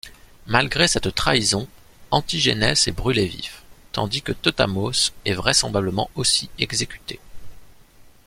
Malgré cette trahison, Antigénès est brûlé vif, tandis que Teutamos est vraisemblablement aussi exécuté.